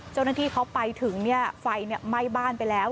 เจ้าหน้าที่เขาไปถึงเนี่ยไฟเนี่ยไหม้บ้านไปแล้ว